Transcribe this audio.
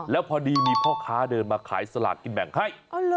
แล้วพอดีมีพ่อค้าเดินมาขายสลากกินแบ่งให้